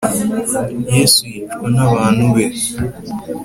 yesu yicwa nabantu be